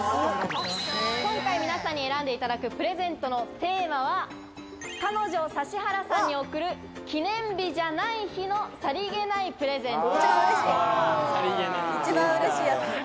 今回、皆さんに選んでいただくプレゼントのテーマは、彼女・指原さんに送る記念日じゃない日のさりげないプレゼント。